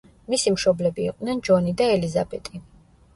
მისი მშობლები იყვნენ ჯონი და ელიზაბეტი.